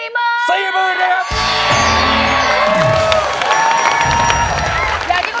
การการดูแลกิน